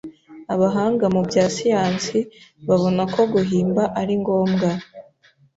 Abahanga mu bya siyansi babona ko guhimba ari ngombwa.